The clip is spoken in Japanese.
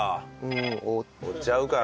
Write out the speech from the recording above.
追っちゃうか。